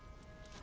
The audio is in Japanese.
あ。